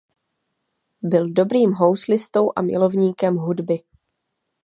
Byl dobrým houslistou a milovníkem hudby.